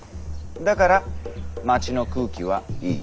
だから町の空気は良い。